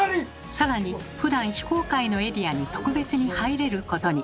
更にふだん非公開のエリアに特別に入れることに。